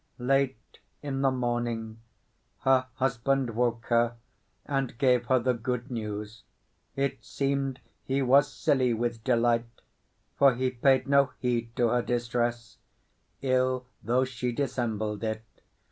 Late in the morning her husband woke her and gave her the good news. It seemed he was silly with delight, for he paid no heed to her distress, ill though she dissembled it.